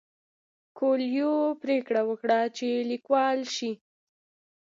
کویلیو پریکړه وکړه چې لیکوال شي.